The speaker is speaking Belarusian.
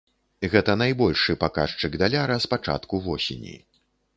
Гэта найбольшы паказчык даляра з пачатку восені.